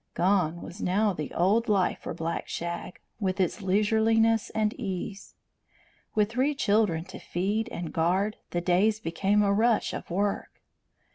Gone was now the old life for Black Shag, with its leisureliness and ease. With three children to feed and guard, the days became a rush of work.